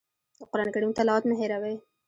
د قرآن کریم تلاوت مه هېروئ.